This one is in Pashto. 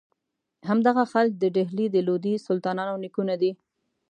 همدغه خلج د ډهلي د لودي سلطانانو نیکونه دي.